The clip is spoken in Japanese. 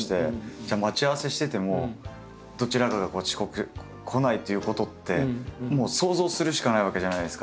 じゃあ待ち合わせしててもどちらかが遅刻来ないっていうことってもう想像するしかないわけじゃないですか。